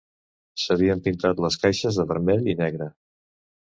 S'havien pintat les caixes de vermell i negre.